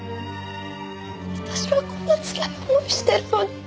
私がこんなつらい思いしてるのに。